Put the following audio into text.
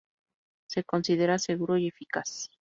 Se considera seguro y eficaz.